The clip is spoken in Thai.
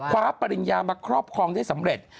ปริญญามาครอบครองได้สำเร็จ